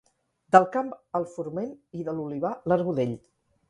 Del camp el forment i de l'olivar l'argudell.